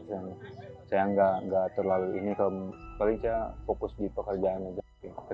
yang saya enggak enggak terlalu ini kemurikannya fokus ke kemurikannya fokus ke kemurikannya fokus